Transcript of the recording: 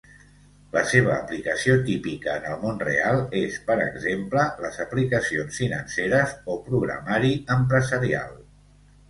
La seva aplicació típica en el món real és, per exemple, les aplicacions financeres o programari empresarial.